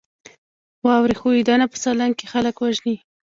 واورې ښویدنه په سالنګ کې خلک وژني؟